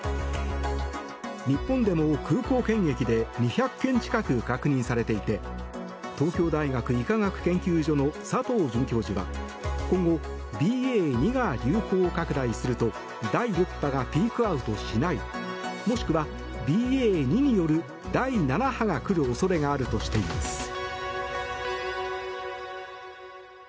日本でも空港検疫で２００件近く確認されていて東京大学医科学研究所の佐藤准教授は今後、ＢＡ．２が流行拡大すると第６波がピークアウトしないもしくはＢＡ．２による第７波が来る恐れがあるとしています。